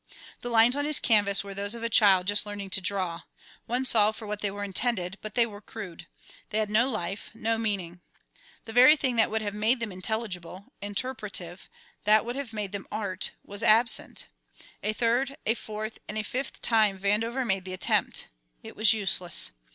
The lines on his canvas were those of a child just learning to draw; one saw for what they were intended, but they were crude, they had no life, no meaning. The very thing that would have made them intelligible, interpretive, that would have made them art, was absent. A third, a fourth, and a fifth time Vandover made the attempt. It was useless.